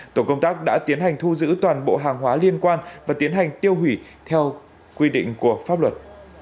tổ công tác đã tiến hành thu giữ toàn bộ hàng hóa liên quan và tiến hành tiêu hủy theo quy định của pháp luật